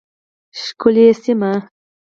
ښکلې سیمه